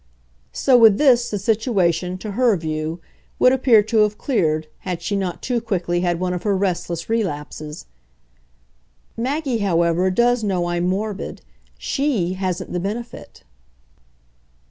So with this the situation, to her view, would appear to have cleared had she not too quickly had one of her restless relapses. "Maggie, however, does know I'm morbid. SHE hasn't the benefit."